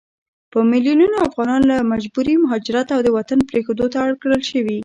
په ميلونونو افغانان له مجبوري مهاجرت او وطن پريښودو ته اړ کړل شوي